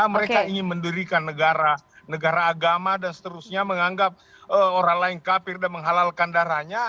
mereka ingin menderikan negara agama dan seterusnya menganggap orang lain kafir dan menghalalkan darahnya